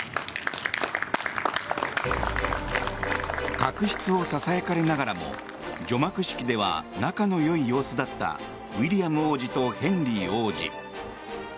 確執をささやかれながらも除幕式では仲の良い様子だったウィリアム王子とヘンリー王子。